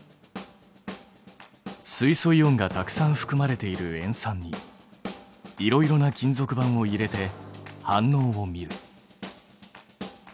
水素イオンがたくさんふくまれている塩酸にいろいろな金属板を入れて反応を見る。